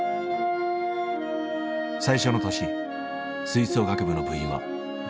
最初の年吹奏楽部の部員は１７人。